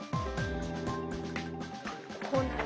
こうなる。